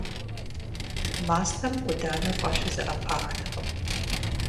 Мастэм Ӏуданэ фӀэлъу зэӀэпахтэкъым.